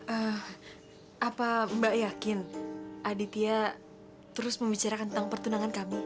eh apa mbak yakin aditya terus membicarakan tentang pertunangan kami